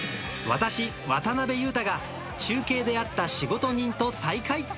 私、渡辺裕太が中継で会った仕事人と再会。